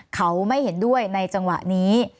เขาไม่เห็นด้วยในจังหวะนี้